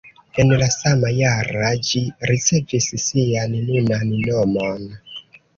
En la sama jara ĝi ricevis sian nunan nomon.